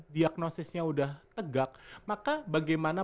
diagnosisnya udah tegak maka bagaimana